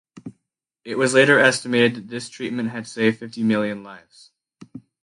It was later estimated that this treatment had saved fifty million lives.